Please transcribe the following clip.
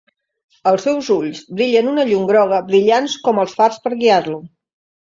Els seus ulls brillen una llum groga brillants com els fars per guiar-lo.